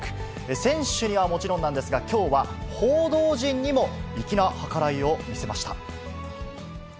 選手にはもちろんなんですが、きょうは、報道陣にも粋な計らいを見せました。